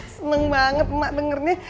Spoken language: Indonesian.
seneng banget emak dengernya